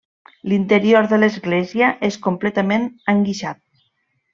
L'interior de l'església és completament enguixat.